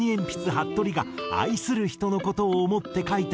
はっとりが愛する人の事を想って書いた曲。